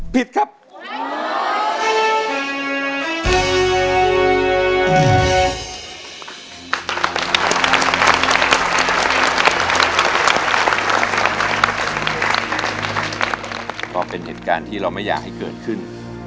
ครับก็เป็นเหตุการณ์ที่เราไม่อยากให้เกิดขึ้น